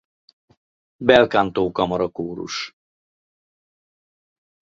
Bel Canto Kamarakórus.